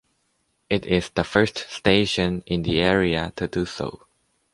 It is the first station in the area to do so.